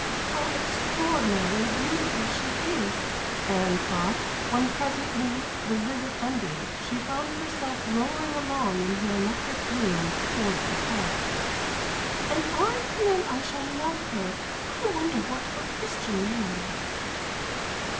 "How extraordinarily beautiful she is!" Anne thought, when presently, the visit ended, she found herself rolling along in her electric brougham towards the park. "And I feel I shall love her. I wonder what her Christian name is?"